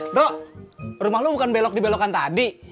bro rumah lo bukan belok di belokan tadi